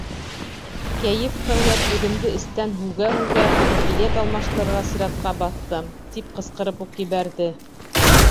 Кәйеф ҡырылып, үҙемде эстән һүгә-һүгә, билет алмаштырырға сиратҡа баҫтым. — тип ҡысҡырып уҡ ебәрҙе.